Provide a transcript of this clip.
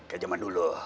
ke jaman dulu